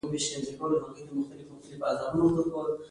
د ژبې پرمختګ د ټولنیز سازمان اساس شو.